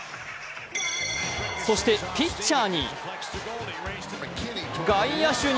そして、ピッチャーに、外野手に、